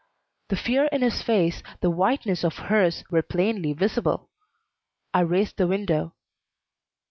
The fear in his face, the whiteness of hers, were plainly visible. I raised the window.